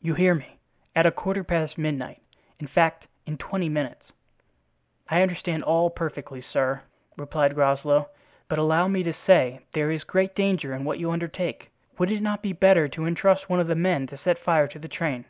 "You hear me—at a quarter past midnight—in fact, in twenty minutes." "I understand all perfectly, sir," replied Groslow; "but allow me to say there is great danger in what you undertake; would it not be better to intrust one of the men to set fire to the train?"